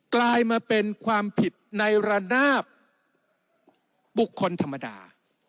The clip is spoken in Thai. กลายมาเป็นความผิดในระนาบบุคคลธรรมดา